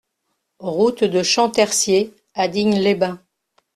Route de Champtercier à Digne-les-Bains